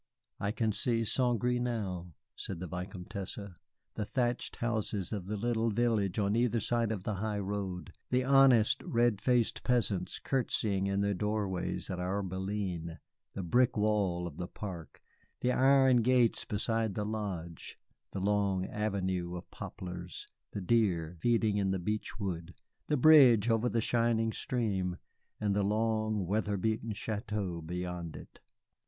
I can see St. Gré now," said the Vicomtesse, "the thatched houses of the little village on either side of the high road, the honest, red faced peasants courtesying in their doorways at our berline, the brick wall of the park, the iron gates beside the lodge, the long avenue of poplars, the deer feeding in the beechwood, the bridge over the shining stream and the long, weather beaten château beyond it.